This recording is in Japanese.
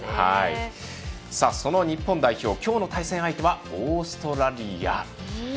その日本代表きょうの対戦相手はオーストラリアです。